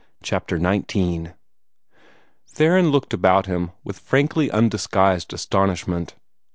CHAPTER XIX Theron Ware looked about him with frankly undisguised astonishment.